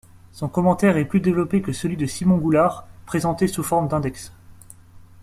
Son commentaire est plus développé que celui de Simon Goulart, présenté sous forme d’index.